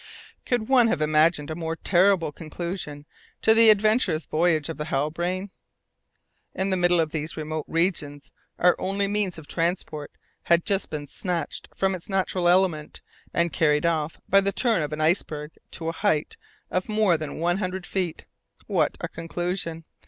Could one have imagined a more terrible conclusion to the adventurous voyage of the Halbrane? In the middle of these remote regions our only means of transport had just been snatched from its natural element, and carried off by the turn of an iceberg to a height of more than one hundred feet! What a conclusion!